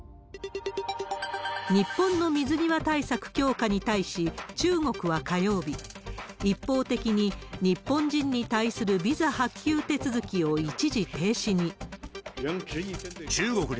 日本の水際対策強化に対し、中国は火曜日、一方的に、日本人に対するビザ発給手続きを一時停止に。